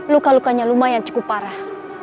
luka lukanya lumayan cukup parah